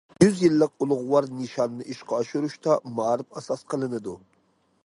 يۈز يىللىق ئۇلۇغۋار نىشاننى ئىشقا ئاشۇرۇشتا، مائارىپ ئاساس قىلىنىدۇ.